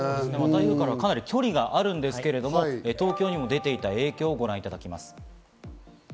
台風からかなり距離があるんですけれど、東京にも出ていた影響をご覧いただきます。